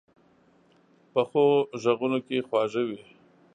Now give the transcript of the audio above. پخو غږونو کې خواږه وي